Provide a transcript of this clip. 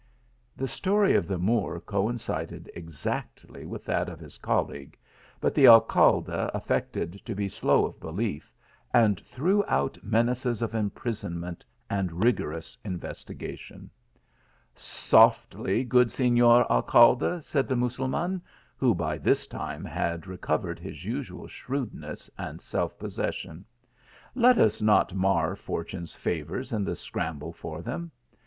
The story of the Moor coincided exactly with that of his colleague ; but the Alcalde afifected to be slow of belief, and threw out menaces of imprisonment and rigorous investigation. " Softly, good Senor Alcalde," said the Mussul man, who by this time had recovered his usual shrewdness and self possession. " Let us not mar fortune s favours in the scramble for them.